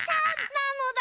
なのだ。